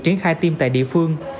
triển khai tiêm tại địa phương